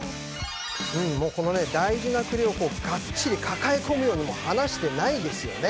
この大事な栗をがっちり抱え込むように離してないですよね。